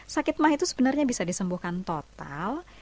sakit mah itu sebenarnya bisa disembuhkan total